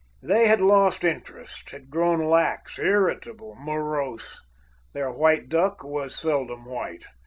They had lost interest, had grown lax, irritable, morose. Their white duck was seldom white.